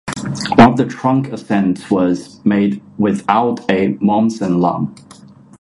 One of the trunk ascents was made without a Momsen lung.